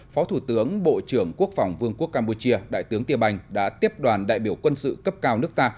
phó thủ tướng bộ trưởng quốc phòng vương quốc campuchia đại tướng tiên bành đã tiếp đoàn đại biểu quân sự cấp cao nước ta